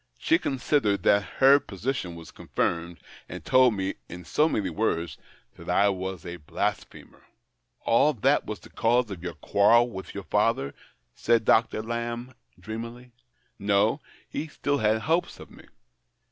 He considered that her position was confirmed, and told me, in so many words, that I was a blasphemer." " And that was the cause of your quarrel with your father ?" said Dr. Lamb, dreamily. '' No, he still had hopes of me.